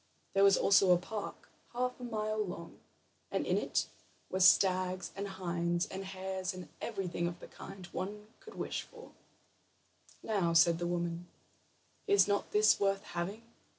There was also a park, half a mile long, and in it were stags and hinds, and hares, and everything of the kind one could wish for. "Now," said the woman, "is not this worth having?"